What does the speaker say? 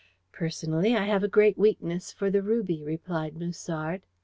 "Personally I have a weakness for the ruby," replied Musard.